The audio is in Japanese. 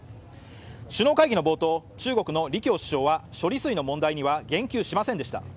首脳会議の冒頭、中国の李強首相は処理水の問題には言及しませんでした。